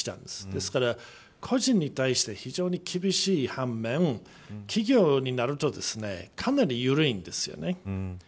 ですから、個人に対して非常に厳しい反面企業になるとかなり緩いんですね。